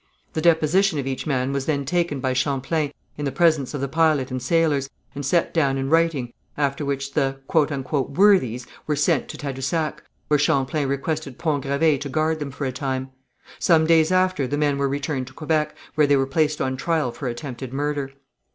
The deposition of each man was then taken by Champlain in the presence of the pilot and sailors, and set down in writing, after which the "worthies" were sent to Tadousac, where Champlain requested Pont Gravé to guard them for a time. Some days after the men were returned to Quebec, where they were placed on trial for attempted murder.